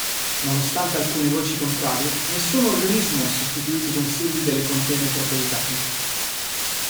Nonostante alcune voci contrarie, nessun organismo ha sostituito i Consigli delle Contee Metropolitane.